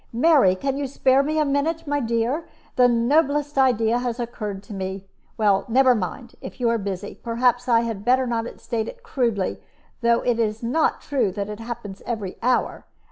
Mary, can you spare me a minute, my dear? The noblest idea has occurred to me. Well, never mind, if you are busy; perhaps I had better not state it crudely, though it is not true that it happens every hour.